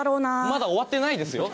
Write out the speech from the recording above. まだ終わってないですよ。